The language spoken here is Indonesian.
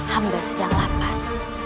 hamba sedang lapar